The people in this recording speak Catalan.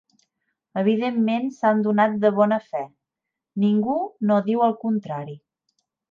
Evidentment s'han donat de bona fe, ningú no diu el contrari.